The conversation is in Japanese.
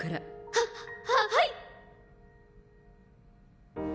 はははい！